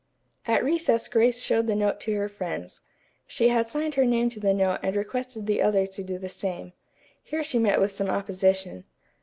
At recess Grace showed the note to her friends. She had signed her name to the note and requested the others to do the same. Here she met with some opposition.